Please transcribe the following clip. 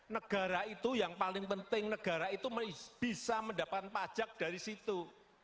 negara itu yang paling penting negara itu bisa mendapatkan pajak dari situ